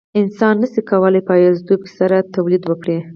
انسان نشي کولای په یوازیتوب سره تولید وکړي.